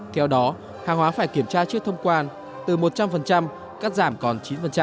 theo đó hàng hóa phải kiểm tra trước thông quan từ một trăm linh cắt giảm còn chín